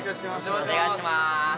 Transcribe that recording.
お願いしまーす。